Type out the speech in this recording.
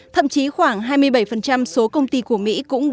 thậm chí khoảng hai mươi bảy số công ty của mỹ cũng